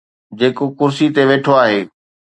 جيڪو ڪرسي تي ويٺو آهي.